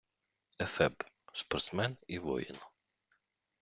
Ефеб - спортсмен і воїн